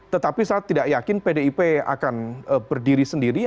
tetapi saya tidak yakin pdip akan berdiri sendiri